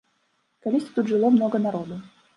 Калісьці тут жыло многа народу.